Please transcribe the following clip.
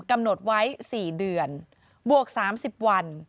กำหนดไว้๔เดือนบวก๓๐วัน